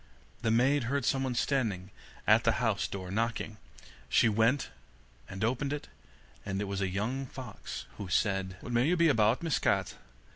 The maid heard someone standing at the house door, knocking. She went and opened it, and it was a young fox, who said: 'What may you be about, Miss Cat?